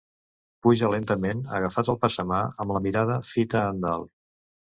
Puja lentament agafat al passamà, amb la mirada fita endalt.